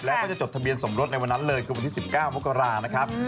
แล้วก็จะจดทะเบียนสมรสในวันนั้นเลยคือวันที่๑๙มกรานะครับ